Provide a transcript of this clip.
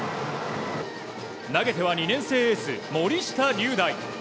投げては２年生エース森下瑠大。